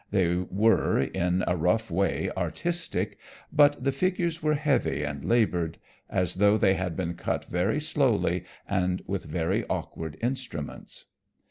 They were, in a rough way, artistic, but the figures were heavy and labored, as though they had been cut very slowly and with very awkward instruments.